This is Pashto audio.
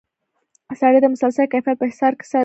سړی د مسلسل کیفیت په حصار کې ساتي.